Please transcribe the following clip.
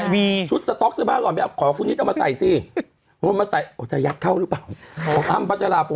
บีชุดสต๊อกเสื้อผ้าของแม่ขอคุณฮิตเอามาใส่สิเอามาใส่โอ้ยจะยัดเข้าหรือเปล่า